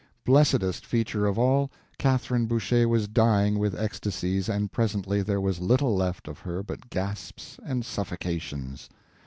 Blessedest feature of all, Catherine Boucher was dying with ecstasies, and presently there was little left of her but gasps and suffocations.